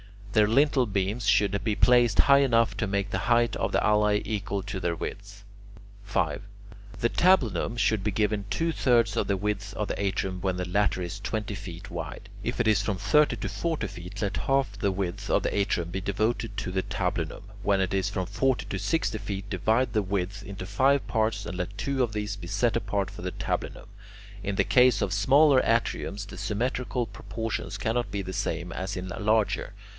Their lintel beams should be placed high enough to make the height of the alae equal to their width. 5. The tablinum should be given two thirds of the width of the atrium when the latter is twenty feet wide. If it is from thirty to forty feet, let half the width of the atrium be devoted to the tablinum. When it is from forty to sixty feet, divide the width into five parts and let two of these be set apart for the tablinum. In the case of smaller atriums, the symmetrical proportions cannot be the same as in larger.